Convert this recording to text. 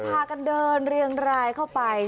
พากันเดินเรียงรายเข้าไป